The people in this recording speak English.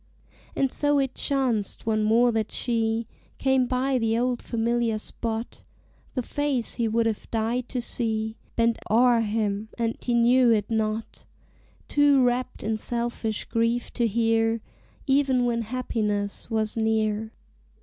And so it chanced once more that she Came by the old familiar spot: The face he would have died to see Bent o'er him, and he knew it not; Too rapt in selfish grief to hear, Even when happiness was near.